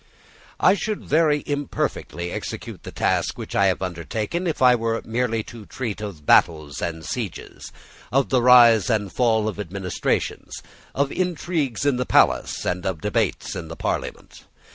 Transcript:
I should very imperfectly execute the task which I have undertaken if I were merely to treat of battles and sieges, of the rise and fall of administrations, of intrigues in the palace, and of debates in the parliament.